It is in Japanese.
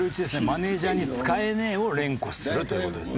「マネージャーに“使えねえ”を連呼する」という事ですね。